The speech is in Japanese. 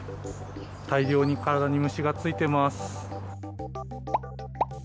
大量に体に虫がついています。